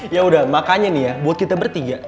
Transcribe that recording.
yaudah makanya nih ya buat kita bertiga